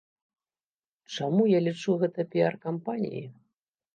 Чаму я лічу гэта піяр-кампаніяй?